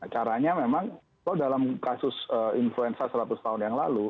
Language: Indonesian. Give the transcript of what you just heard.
caranya memang kalau dalam kasus influenza seratus tahun yang lalu